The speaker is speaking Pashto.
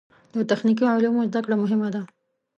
د تخنیکي علومو زده کړه مهمه ده.